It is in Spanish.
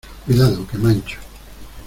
cuidado, que mancho.